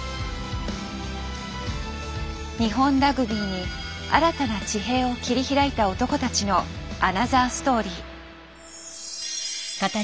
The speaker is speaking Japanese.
日本ラグビーに新たな地平を切り開いた男たちのアナザーストーリー。